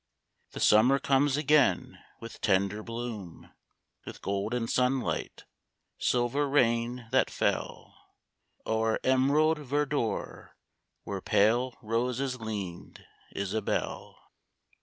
The summer comes again with tender bloom ; With golden sunlight, silver rain that fell O'er emerald verdure, where pale roses leaned, — Isabelle !